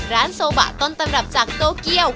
โซบะต้นตำรับจากโตเกียว